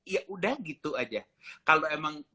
yaudah gitu aja kalau emang